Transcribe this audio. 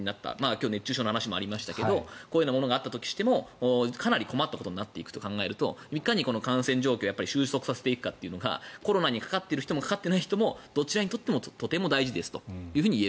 今日熱中症の話がありましたけどこういうものがあったとしてもかなり困ったことになっていくと考えるといかに感染状況を収束させていくかがコロナにかかっている人かかっていない人どちらにとっても大事と。